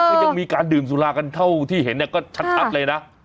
ก็ยังมีการดื่มสุรากันเท่าที่เห็นเนี่ยก็ชัดเลยนะ